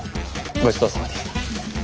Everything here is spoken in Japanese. ごちそうさまでした。